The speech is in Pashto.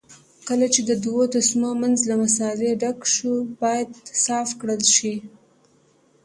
کله چې د دوو تسمو منځ له مسالې ډک شو باید صاف کړل شي.